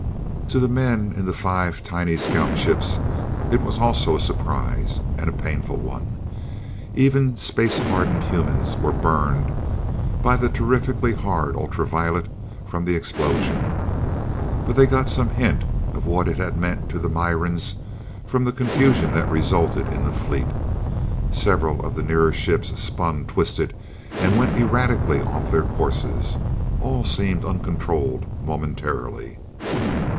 To the men in the five tiny scout ships, it was also a surprise, and a painful one. Even space hardened humans were burned by the terrifically hard ultra violet from the explosion. But they got some hint of what it had meant to the Mirans from the confusion that resulted in the fleet. Several of the nearer ships spun, twisted, and went erratically off their courses. All seemed uncontrolled momentarily.